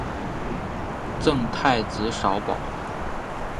赠太子少保。